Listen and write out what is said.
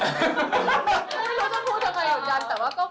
ไม่รู้จะพูดกับใครเหมือนกัน